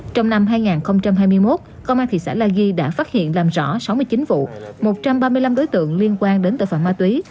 trong năm hai nghìn hai mươi một công an thị xã la ghi đã phát hiện làm rõ sáu mươi chín vụ một trăm ba mươi năm đối tượng liên quan đến tội phạm ma túy